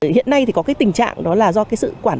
hiện nay thì có cái tình trạng đó là do cái sự quản lý